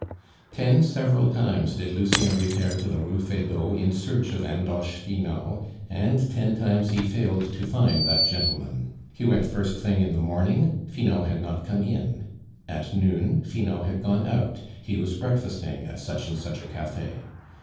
Ten several times did Lucien repair to the Rue Feydeau in search of Andoche Finot, and ten times he failed to find that gentleman. He went first thing in the morning; Finot had not come in. At noon, Finot had gone out; he was breakfasting at such and such a cafe.